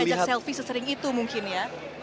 jarang jarang diajak selfie sesering itu mungkin ya